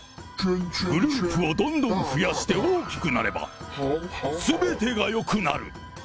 グループをどんどん増やして大きくなれば、すべてがよくなる。